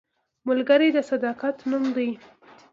ملګری د صداقت نوم دی